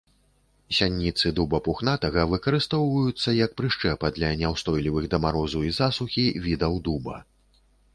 Сеянцы дуба пухнатага выкарыстоўваюцца як прышчэпа для няўстойлівых да марозу і засухі відаў дуба.